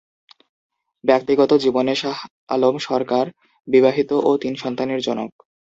ব্যক্তিগত জীবনে শাহ আলম সরকার বিবাহিত ও তিন সন্তানের জনক।